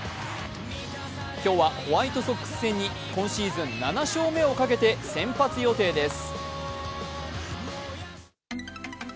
今日はホワイトソックス戦に今シーズン７勝目をかけて先発予定です。